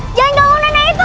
eh jangan ganggu nenek itu